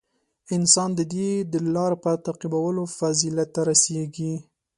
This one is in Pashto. • انسان د دې د لارې په تعقیبولو فضیلت ته رسېږي.